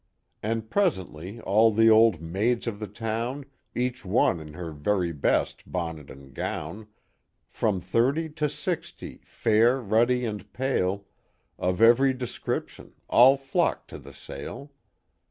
" And presently all the old maids of the town, Each one in her very best bonnet and gown. From thirty to sixty, fair, ruddy, and pale, Of every description, all flocked to the sale.